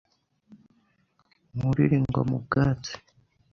Nkurire ingoma ubwatsi